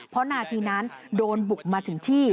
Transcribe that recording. เพราะนาทีนั้นโดนบุกมาถึงที่